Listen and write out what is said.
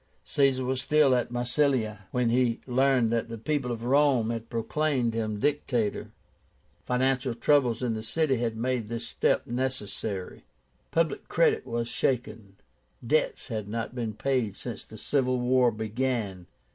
Caesar was still at Massilia, when he learned that the people of Rome had proclaimed him Dictator. Financial troubles in the city had made this step necessary. Public credit was shaken. Debts had not been paid since the civil war began.